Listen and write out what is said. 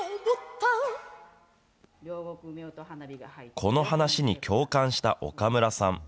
この話に共感した岡村さん。